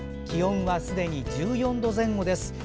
気温はすでに１４度前後です。